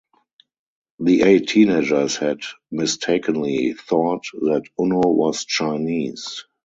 The eight teenagers had mistakenly thought that Unno was Chinese.